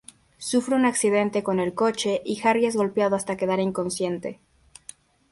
Sufren un accidente con el coche y Harry es golpeado hasta quedar inconsciente.